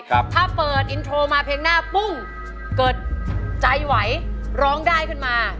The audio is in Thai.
ถ้าเปิดอินโทรมาเพลงหน้าปุ้งเกิดใจไหวร้องได้ขึ้นมา